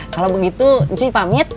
kalau begitu ncuy pamit